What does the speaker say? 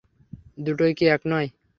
দুটোই কি এক নয়?